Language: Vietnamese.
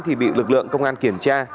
thì bị lực lượng công an kiểm tra